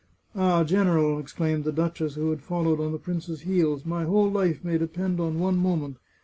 " Ah, general !" exclaimed the duchess, who had followed on the prince's heels, " My whole life may depend on one moment.